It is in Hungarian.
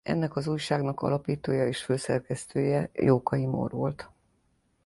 Ennek az újságnak alapítója és főszerkesztője Jókai Mór volt.